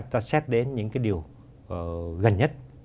ta xét đến những điều gần nhất